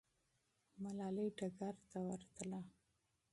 ملالۍ ډګر ته ورتله.